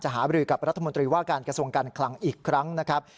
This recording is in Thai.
หาบรือกับรัฐมนตรีว่าการกระทรวงการคลังอีกครั้งนะครับ